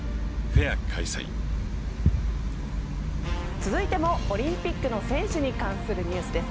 続いてもオリンピックの選手に関するニュースです。